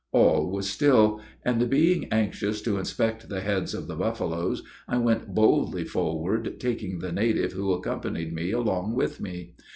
All was still; and, being anxious to inspect the heads of the buffaloes, I went boldly forward, taking the native who accompanied me, along with me.